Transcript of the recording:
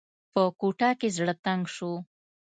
په کوټه کې زړه تنګ شو.